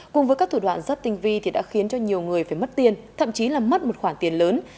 cùng với các thủ đoạn rất tinh vi thì đã khiến cho nhiều người phải mất tiền thậm chí là mất một khoản tiền lớn